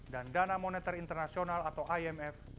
dan dana moneter internasional atau imf